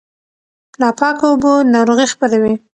ناپاکه اوبه ناروغي خپروي.